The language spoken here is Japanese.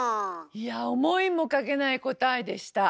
いや思いもかけない答えでした！